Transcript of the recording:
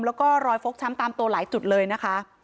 แล้วก็รอยฟกช้ำตามตัวหลายจุดเลยนะคะ